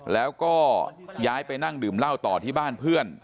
แล้วก็ย้ายไปนั่งดื่มเหล้าต่อที่บ้านเพื่อน